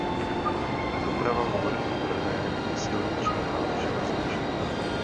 Doprava v Horní Branné je silniční a železniční.